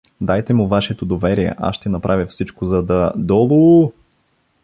Дайте ми вашето доверие, аз ще направя всичко, за да… — Долу-у-у!